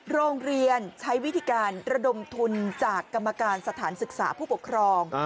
โรงเรียนใช้วิธีการระดมทุนจากกรรมการสถานศึกษาผู้ปกครอง